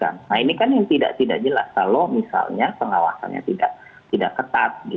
nah ini kan yang tidak jelas kalau misalnya pengawasannya tidak ketat